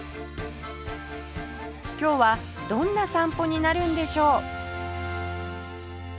今日はどんな散歩になるんでしょう？